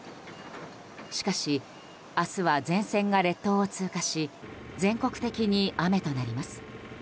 しかし、明日は前線が列島を通過し全国的に雨となります。